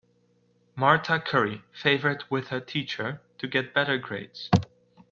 Marta curry favored with her teacher to get better grades.